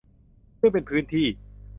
ซึ่งเป็นพื้นที่